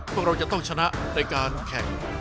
พวกเราจะต้องชนะในการแข่ง